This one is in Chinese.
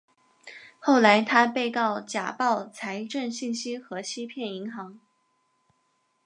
后来他被告假报财政信息和欺骗银行。